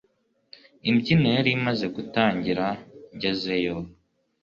Imbyino yari imaze gutangira ngezeyo